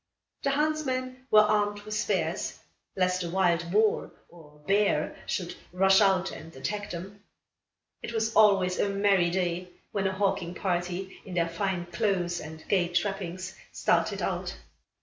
The huntsmen were armed with spears, lest a wild boar, or bear, should rush out and attack them. It was always a merry day, when a hawking party, in their fine clothes and gay trappings, started out.